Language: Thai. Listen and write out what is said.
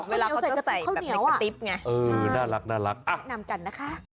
เวลาเขาจะใส่แบบอือน่ารักน่ารักอ่ะแนะนำกันนะคะ